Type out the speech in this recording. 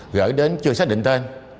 gửi đến chưa xác định tên